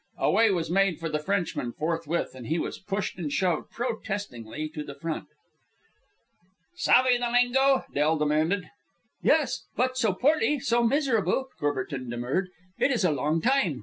A way was made for the Frenchman forthwith, and he was pushed and shoved, protestingly, to the front. "Savve the lingo?" Del demanded. "Yes; but so poorly, so miserable," Courbertin demurred. "It is a long time.